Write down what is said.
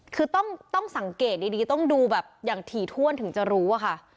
คือต้องสังเกตดีต้องดูแบบอย่างถี่ถ้วนถึงจะรู้อะค่ะ